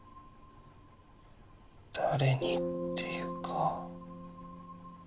誰にっていうか。